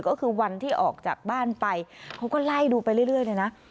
ก็คือวันที่ออกจากบ้านไปเขาก็ไล่ดูไปเรื่อยเลยนะ